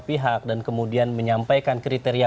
pihak dan kemudian menyampaikan kriteria